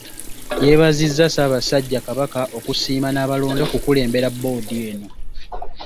Yeebazizza Ssaabasajja Kabaka okusiima n'abalonda okukulembera bboodi eno.